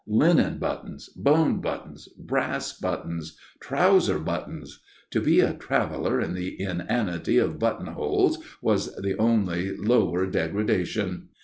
Linen buttons, bone buttons, brass buttons, trouser buttons! To be a traveller in the inanity of buttonholes was the only lower degradation.